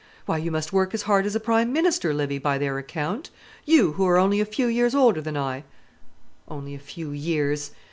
Why, you must work as hard as a prime minister, Livy, by their account; you, who are only a few years older than I." Only a few years!